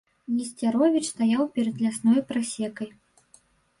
Несцяровіч стаяў перад лясной прасекай.